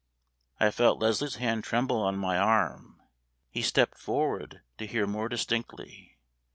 I felt Leslie's hand tremble on my arm. He stepped forward, to hear more distinctly.